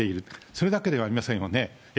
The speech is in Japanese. それだけではありませんよね。